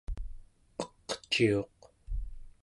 eqciuq